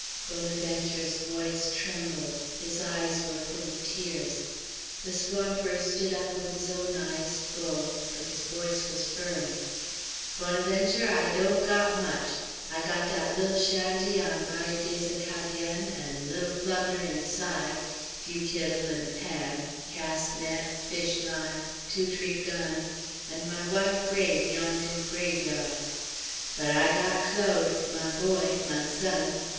Bonaventure's voice trembled; his eyes were full of tears. The swamper stood up with his own eyes full, but his voice was firm. "Bonaventure, I don't got much. I got dat li'l' shanty on Bayou des Acadiens, and li'l' plunder inside few kittle', and pan', cast net, fish line', two, t'ree gun', and my wife' grave, yond' in graveyard. But I got Claude, my boy, my son.